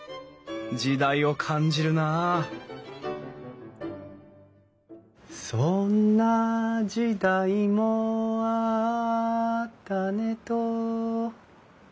時代を感じるなあ「そんな時代もあったねと」